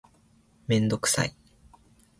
めんどくさい